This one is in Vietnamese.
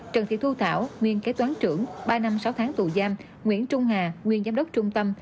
trần thị thu thảo nguyên kế toán trưởng ba năm sáu tháng tù giam nguyễn trung hà nguyên giám đốc trung tâm